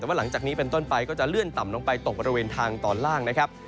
แต่ว่าหลังจากนี้เป็นต้นไปก็จะเลื่อนต่ำลงไปตกบริเวณทางตอนล่างนะครับ